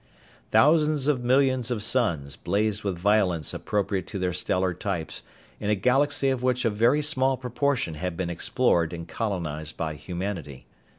Thousands of millions of suns blazed with violence appropriate to their stellar types in a galaxy of which a very small proportion had been explored and colonized by humanity.